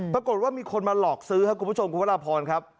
ปรากฏว่ามีคนมาหลอกซื้อครับคุณผู้ชมคุณพระราพรครับ